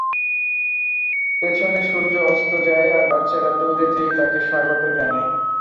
পিছনে সূর্য অস্ত যায়, আর বাচ্চারা দৌড়ে যেয়ে তাকে স্বাগত জানায়।